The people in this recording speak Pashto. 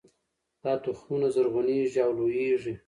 دا تخمونه زرغونیږي او لوییږي